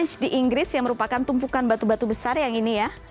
page di inggris yang merupakan tumpukan batu batu besar yang ini ya